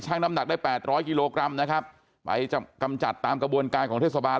น้ำหนักได้แปดร้อยกิโลกรัมนะครับไปกำจัดตามกระบวนการของเทศบาล